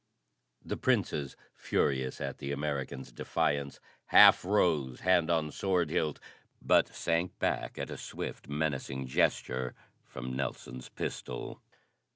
The Princes, furious at the American's defiance, half rose, hand on sword hilt, but sank back at a swift, menacing gesture from Nelson's pistol.